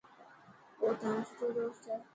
او تايون سٺو دوست هي.